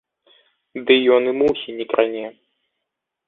Ды ён і мухі не кране!